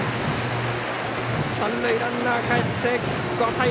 三塁ランナーかえって、５対０。